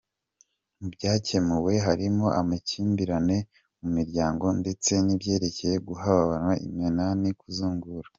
Mu byakemuwe harimo amakimbirane mu miryango ndetse n’ibyerekeye guhabwa iminani no kuzungura.